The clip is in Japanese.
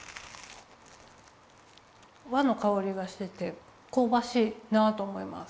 和のかおりがしててこうばしいなと思います。